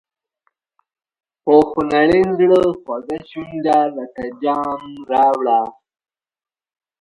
په خونړي زړه خوږه شونډه لکه جام راوړه.